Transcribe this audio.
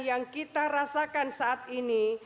yang kita rasakan saat ini